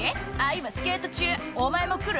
今スケート中お前も来る？」